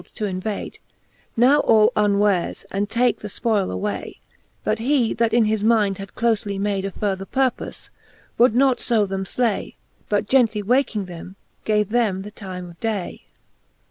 Whom Coridon him counfeld to invade Now all unwares, and take the fpoyle away ; But he, that in his mind had clofely made A further purpofe, would not fo them flay. But gently waking them, gave them the time of day.